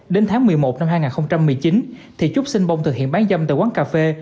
đến tháng một mươi một năm hai nghìn một mươi chín thị trúc xin bông thực hiện bán giam tại quán cà phê